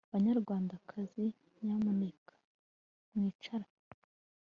Banyarwandakazi nyamuneka mwicare